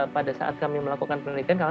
pada saat kami melakukan penelitian